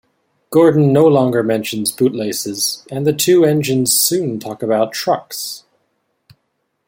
Gordon no longer mentions bootlaces, and the two engines soon talk about trucks.